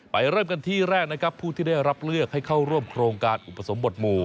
เริ่มกันที่แรกนะครับผู้ที่ได้รับเลือกให้เข้าร่วมโครงการอุปสมบทหมู่